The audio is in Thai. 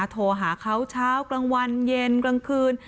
โทรหาเขาเช้ากลางวันเย็นกลางคืน